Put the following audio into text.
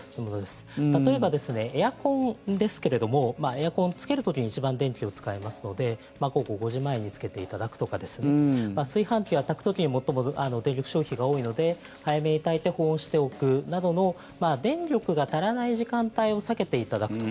例えばエアコンですけれどもエアコンをつける時に一番電気を使いますので午後５時前につけていただくとか炊飯器は炊く時に最も電力消費が多いので早めに炊いて保温しておくなどの電力が足らない時間帯を避けていただくと。